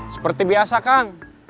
seperti biasa kan